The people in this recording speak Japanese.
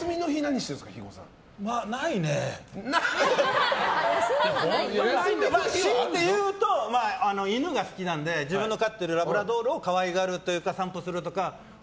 しいて言うと犬が好きなので自分の飼っているラブラドールを可愛がるというか散歩するとか。